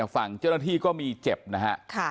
ฝั่งเจ้าหน้าที่ก็มีเจ็บนะฮะ